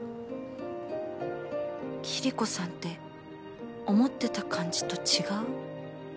キリコさんって思ってた感じと違う？